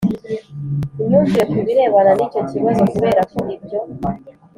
imyumvire ku birebana n'icyo kibazo, kubera ko ibyo